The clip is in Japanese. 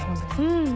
うん。